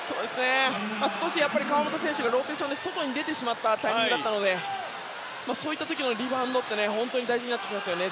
少し河村選手がローテーションで外に出てしまったタイミングだったのでそういった時のリバウンドって本当に大事になりますね。